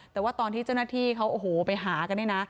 แต่ว่าตอนที่เจ้าหน้าที่เขาโอ้โหไปหากันเนี่ยนะ